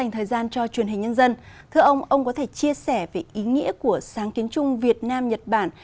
thưa ông ông có thể chia sẻ về ý nghĩa của sáng kiến chung việt nam nhật bản